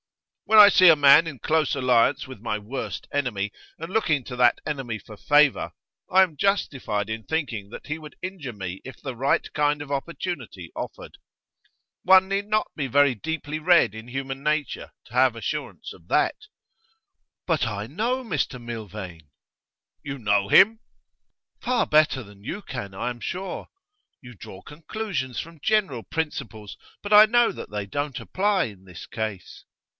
'When I see a man in close alliance with my worst enemy, and looking to that enemy for favour, I am justified in thinking that he would injure me if the right kind of opportunity offered. One need not be very deeply read in human nature to have assurance of that.' 'But I know Mr Milvain!' 'You know him?' 'Far better than you can, I am sure. You draw conclusions from general principles; but I know that they don't apply in this case.